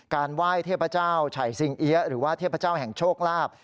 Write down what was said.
ไหว้เทพเจ้าไฉสิงเอี๊ยะหรือว่าเทพเจ้าแห่งโชคลาภ